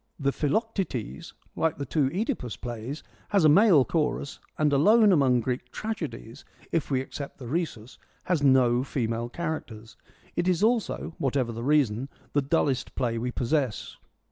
The Philoc tetes, like the two CEdipus plays, has a male chorus and alone among Greek tragedies, if we except the Rhesus, has no female characters. It is also, what ever the reason, the dullest play we possess.